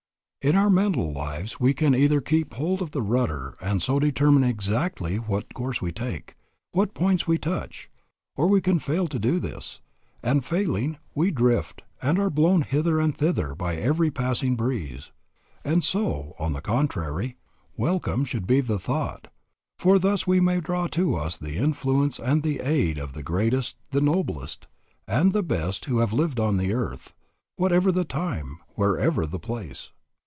In our mental lives we can either keep hold of the rudder and so determine exactly what course we take, what points we touch, or we can fail to do this, and failing, we drift, and are blown hither and thither by every passing breeze. And so, on the contrary, welcome should be the thought, for thus we may draw to us the influence and the aid of the greatest, the noblest, and the best who have lived on the earth, whatever the time, wherever the place.